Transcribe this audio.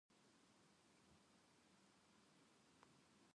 痩せて細くなった首すじと、酷くやつれた顔。